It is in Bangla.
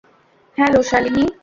হ্যালো, শালিনী।